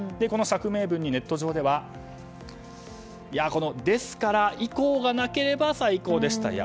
この釈明文にネット上では「ですから」以降がなければ最高でした。